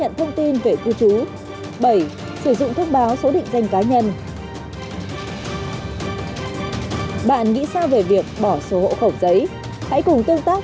a cồng truyện hình công an